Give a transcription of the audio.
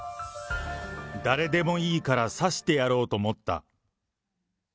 誰でもいいから刺してやろうと思った。